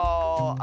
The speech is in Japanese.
あ！